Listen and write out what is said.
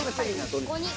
ここに。